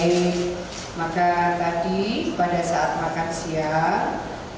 jadi maka tadi pada saat makan siang